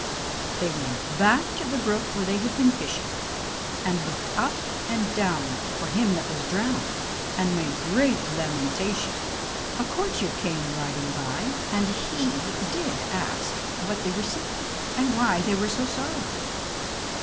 They went back to the brook where they had been fishing, and looked up and down for him that was drowned, and made great lamentation. A courtier came riding by, and he did ask what they were seeking, and why they were so sorrowful.